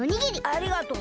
ありがとう。